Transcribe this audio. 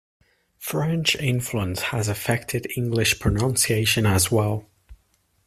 French influence has affected English pronunciation as well.